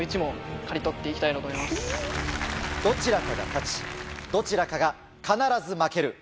どちらかが勝ちどちらかが必ず負ける。